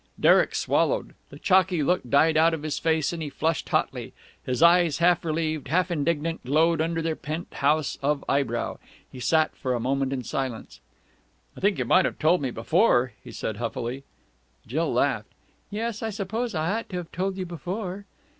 Derek swallowed. The chalky look died out of his face, and he flushed hotly. His eyes, half relieved, half indignant, glowed under their pent house of eyebrow. He sat for a moment in silence. "I think you might have told me before!" he said huffily. Jill laughed. "Yes, I suppose I ought to have told you before."